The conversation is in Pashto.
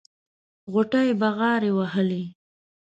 غوټۍ بغاري وهلې.